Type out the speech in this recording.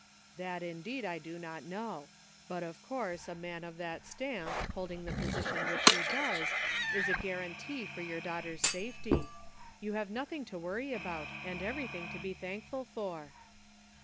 "That indeed I do not know. But of course a man of that stamp, holding the posi tion which he does, is a guarantee for your daughter's safety. You have nothing to worry about, and everything to be thankful for."